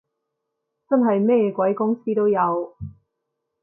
真係咩鬼公司都有